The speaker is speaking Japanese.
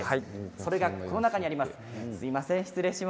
それが、この中にあります。